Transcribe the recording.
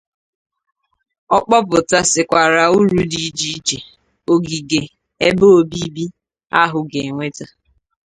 Ọ kpọpụtasịkwara uru dị iche iche ogige ebe obibi ahụ ga-ewèta